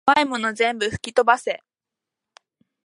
こわいもの全部ふきとばせ